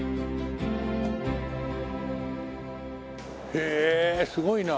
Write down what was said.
へえすごいな。